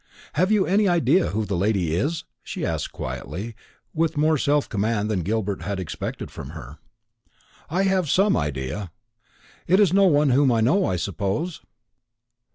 "Have you any idea who the lady is?" she asked quietly, and with more self command than Gilbert had expected from her. "I have some idea." "It is no one whom I know, I suppose?"